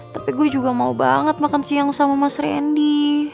tapi gue juga mau banget makan siang sama mas randy